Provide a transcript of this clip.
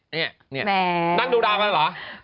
นั่งดูดาวกันหรอ